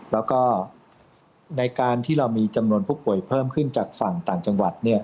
แล้วก็ในการที่เรามีจำนวนผู้ป่วยเพิ่มขึ้นจากฝั่งต่างจังหวัด